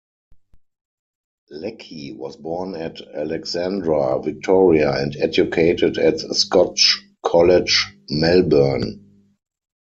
Leckie was born at Alexandra, Victoria and educated at Scotch College, Melbourne.